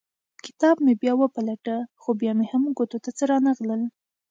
کتاب مې بیا وپلټه خو بیا مې هم ګوتو ته څه رانه غلل.